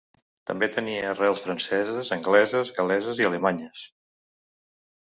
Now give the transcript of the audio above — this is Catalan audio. També tenia arrels franceses, angleses, gal·leses i alemanyes.